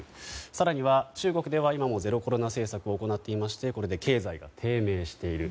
更には中国では今もゼロコロナ政策を行っていまして経済が低迷している。